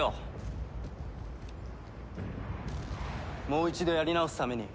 もう一度やり直すために。